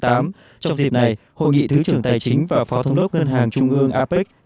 trong dịp này hội nghị thứ trưởng tài chính và phó thống đốc ngân hàng trung ương apec